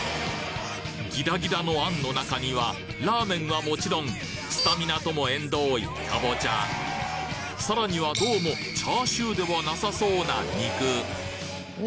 ギラギラの餡の中にはラーメンはもちろんスタミナとも縁遠いさらにはどうもチャーシューではなさそうな肉肉。